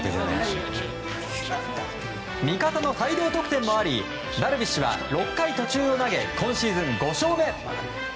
味方の大量得点もありダルビッシュは６回途中を投げ今シーズン５勝目。